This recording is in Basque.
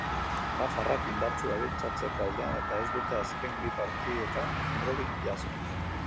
Nafarrak indartsu dabiltza atzeko aldean eta ez dute azken bi partidetan golik jaso.